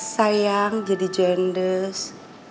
sayang jadi jendes